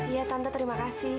iya tante terima kasih